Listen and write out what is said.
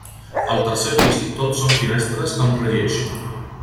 Al tercer pis tot són finestres amb relleix.